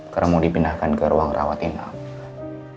karena mau dipindahkan ke ruang rawat tinggal